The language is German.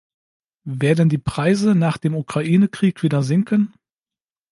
Werden die Preise nach dem Ukraine Krieg wieder sinken?